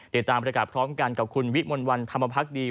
เดี๋ยวตามประกาศพร้อมกันกับคุณวิทย์มนต์วันธรรมพักษ์ดี